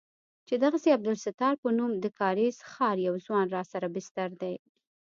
چې دغسې د عبدالستار په نوم د کارېز ښار يو ځوان راسره بستر دى.